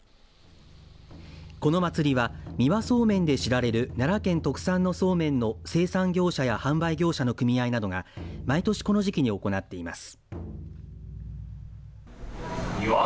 この祭りは三輪そうめんで知られる奈良県特産のそうめんの生産業者や販売業者の組合などが毎年この時期に行っています。